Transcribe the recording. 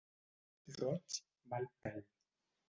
Roig, mal pèl.